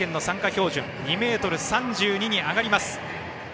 標準２ｍ３２に上がります。